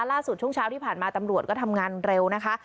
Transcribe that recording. ช่วงเช้าที่ผ่านมาตำรวจก็ทำงานเร็วนะคะ